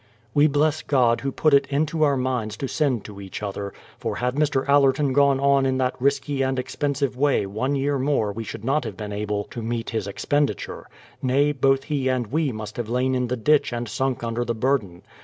... We bless God Who put it into our minds to send to each other; for had Mr. Allerton gone on in that risky and expensive way one year more we should not have been able to meet his ex penditure; nay, both he and we must have lain in the ditch and 8unk under the burden.